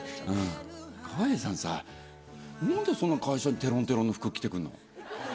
川栄さん何で会社にテロンテロンの服着て来るの？